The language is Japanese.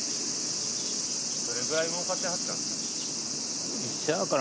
どれぐらいもうかってはったんですか？